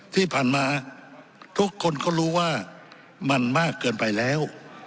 ที่ผ่านมาทุกคนเขารู้ว่ามันมากเกินไปแล้ว